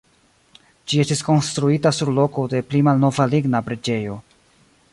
Ĝi estis konstruita sur loko de pli malnova ligna preĝejo.